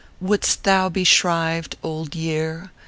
11 Wouldst thou be shrived, Old Year